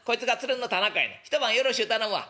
一晩よろしゅう頼むわ」。